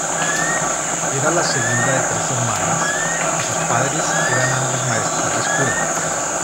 Era la segunda de tres hermanas y sus padres eran ambos maestros de escuela.